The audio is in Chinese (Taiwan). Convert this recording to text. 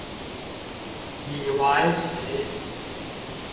已完食